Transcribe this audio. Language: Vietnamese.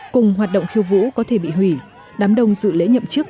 cùng hoạt động khiêu vũ có thể bị hủy đám đông dự lễ nhậm chức